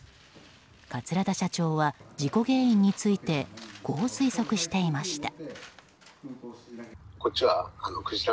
桂田社長は、事故原因についてこう推測していました。